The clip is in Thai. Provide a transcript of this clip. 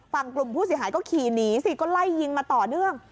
กลุ่มผู้เสียหายก็ขี่หนีสิก็ไล่ยิงมาต่อเนื่อง